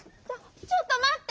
ちょっとまって！